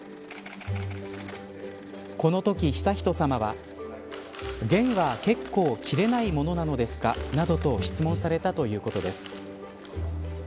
このとき悠仁さまは弦は、けっこう切れないものなのですかなどと質問されたということです。